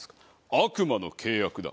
悪魔の契約だ。